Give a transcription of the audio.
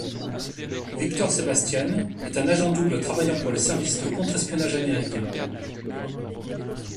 Victor Sebastian est un agent double travaillant pour les services de contre-espionnage américain.